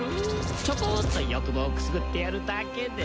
ちょこっと欲望をくすぐってやるだけで。